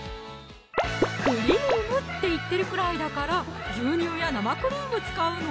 クリームって言ってるくらいだから牛乳や生クリーム使うの？